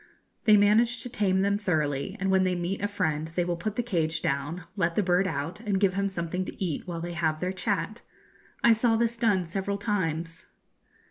They manage to tame them thoroughly, and when they meet a friend they will put the cage down, let the bird out, and give him something to eat while they have their chat. I saw this done several times.